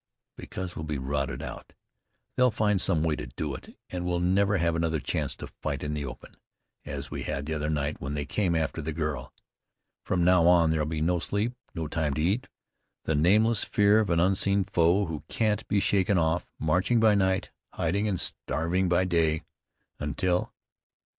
"Because we'll be routed out. They'll find some way to do it, and we'll never have another chance to fight in the open, as we had the other night when they came after the girl. From now on there'll be no sleep, no time to eat, the nameless fear of an unseen foe who can't be shaken off, marching by night, hiding and starving by day, until